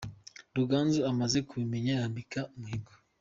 Ruganzu amaze kubimenya yambika umuhigo